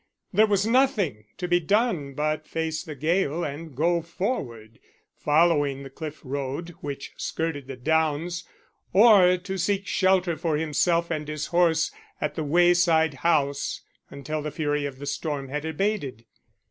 There was nothing to be done but face the gale and go forward, following the cliff road which skirted the downs, or to seek shelter for himself and his horse at the way side house until the fury of the storm had abated.